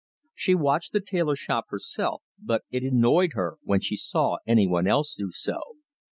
She watched the tailor shop herself, but it annoyed her when she saw any one else do so.